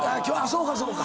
そうかそうか。